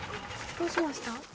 どうしました？